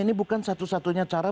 ini bukan satu satunya cara